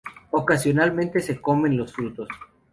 Ocasionalmente se comen los frutos.